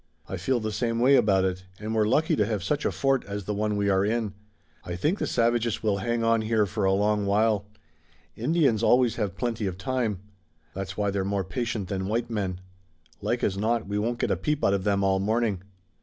"I feel the same way about it, and we're lucky to have such a fort as the one we are in. I think the savages will hang on here for a long while. Indians always have plenty of time. That's why they're more patient than white men. Like as not we won't get a peep out of them all the morning."